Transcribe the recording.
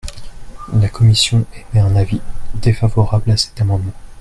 La commission émet un avis défavorable à cet amendement.